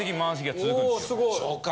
そうか。